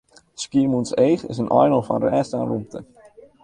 Skiermûntseach is in eilân fan rêst en rûmte.